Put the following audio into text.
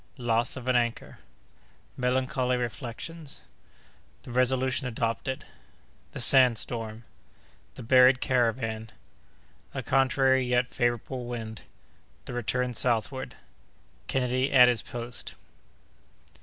—Loss of an Anchor.—Melancholy Reflections.—The Resolution adopted.—The Sand Storm.—The Buried Caravan.—A Contrary yet Favorable Wind.—The Return southward.—Kennedy at his Post.